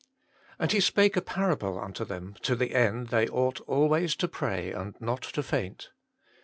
"And He spake a parable unto them, to the end, they ought always to pray and not to faint.